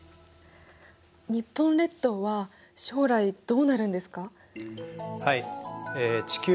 日本列島は将来どうなるんですか？